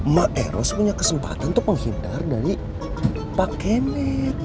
mak eros punya kesempatan tuh menghindar dari pak kemet